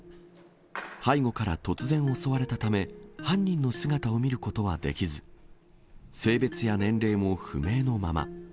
背後から突然襲われたため、犯人の姿を見ることはできず、性別や年齢も不明のまま。